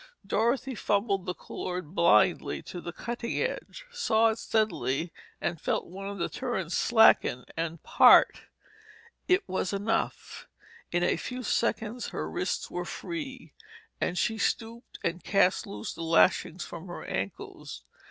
Dorothy fumbled the cord blindly to the cutting edge, sawed steadily and felt one of the turns slacken and part. It was enough. In a few seconds her wrists were free and she stooped and cast loose the lashings from her ankles.